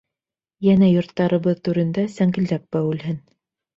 Йәнә йорттарыбыҙ түрендә сәңгелдәк бәүелһен.